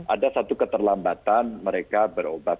ada satu keterlambatan mereka berobat